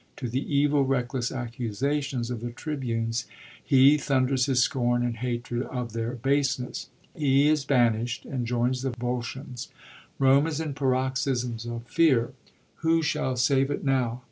To the evil, reckless accusations of the tribunes he thunders his scorn and hatred of their baseness. He Is banisht^ and joins the Volscians. Rome is in paroxysms TIMON or ATHENS of fear. Who shall save it now?